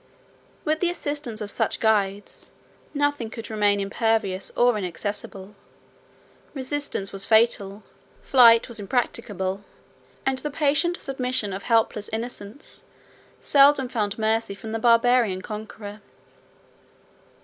With the assistance of such guides, nothing could remain impervious or inaccessible; resistance was fatal; flight was impracticable; and the patient submission of helpless innocence seldom found mercy from the Barbarian conqueror.